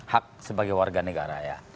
hak sebagai warga negara